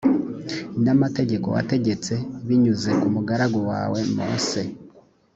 n amategeko wategetse binyuze ku mugaragu wawe mose